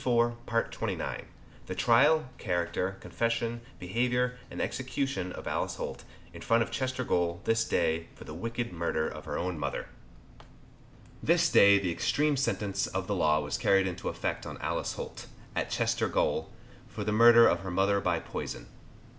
H. Disley, Printer, 57, High street, St. Giles. TRIAL, CHARACTER, CONFESSION, BEHAVIOUR, & EXECUTION OF ALICE HOLT, In front of Chester Gaol, this day, for the Wicked Murder of her own Mother. This day the extreme sentence of the law was carried into effect on Alice Holt, at Chester Gaol, for the murder of her mother by poison.